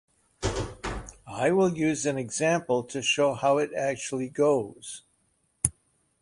I will use an example to show how it actually goes.